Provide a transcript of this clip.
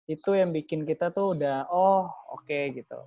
itu yang bikin kita tuh udah oh oke gitu